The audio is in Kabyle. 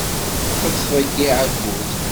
La ttḍeyyiɛeɣ akud.